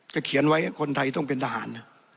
เขียนไว้คนไทยต้องเป็นทหาร